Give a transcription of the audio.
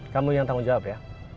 kamu yang tanggung jawab ya